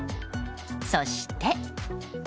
そして。